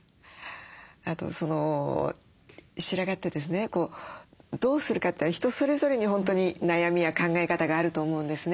あと白髪ってですねどうするかって人それぞれに本当に悩みや考え方があると思うんですね。